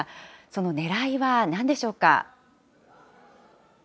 そのねらいはなんでしょうか。